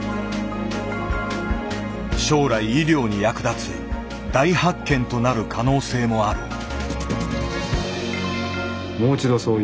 将来医療に役立つ大発見となる可能性もある。